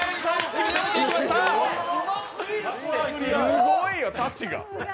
すごいよ、太刀が！